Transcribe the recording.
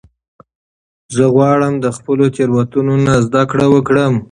زه غواړم د خپلو تیروتنو نه زده کړه وکړم.